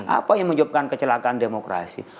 apa yang menyebabkan kecelakaan demokrasi